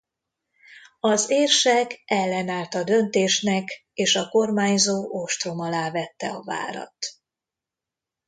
Az érsek ellenállt a döntésnek és a kormányzó ostrom alá vette a várat.